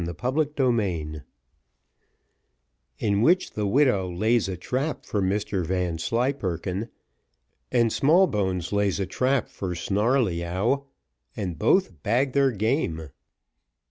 Chapter VIII In which the Widow lays a trap for Mr Vanslyperken, and Smallbones lays a trap for Snarleyyow, and both bag their game.